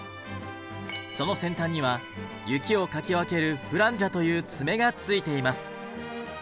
その先端には雪をかき分けるフランジャという爪がついています。